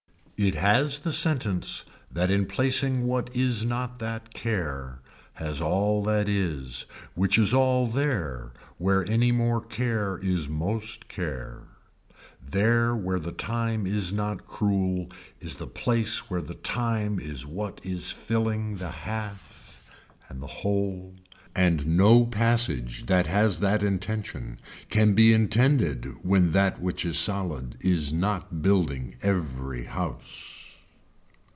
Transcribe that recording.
It has the sentence that in placing what is not that care has all that is which is all there where any more care is most care. There where the time is not cruel is the place where the time is what is filling the half and the whole and no passage that has that intention can be intended when that which is solid is not building every house.